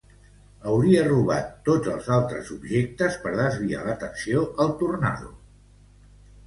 Hauria robat tots els altres objectes per desviar l'atenció al Tornado.